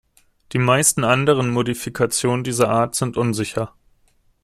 Die meisten anderen Modifikationen dieser Art sind unsicher.